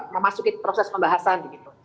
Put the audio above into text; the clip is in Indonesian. memasuki proses pembahasan